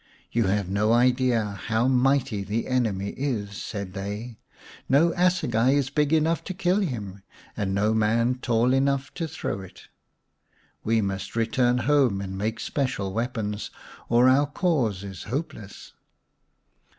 " You have no idea how mighty the enemy is," said they. " No assegai is big enough to kill him, and no man tall enough to throw it. We must return home and make special weapons, or our cause is hopeless."